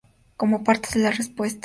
Como parte de la respuesta